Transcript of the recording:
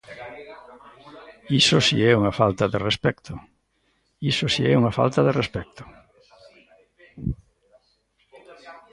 Iso si é unha falta de respecto, iso si é unha falta de respecto.